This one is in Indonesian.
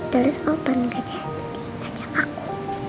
terus ovan gak jadi ajak aku